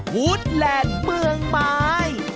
๓หูดแหลดเบืองไม้